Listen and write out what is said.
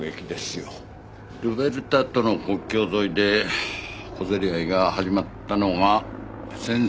ルベルタとの国境沿いで小競り合いが始まったのが先々月。